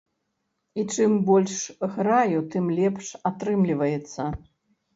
І чым больш граю, ты лепш атрымліваецца.